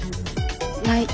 ない。